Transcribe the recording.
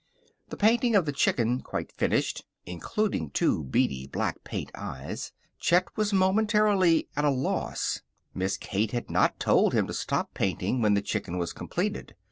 The painting of the chicken quite finished (including two beady black paint eyes), Chet was momentarily at a loss. Miss Kate had not told him to stop painting when the chicken was completed.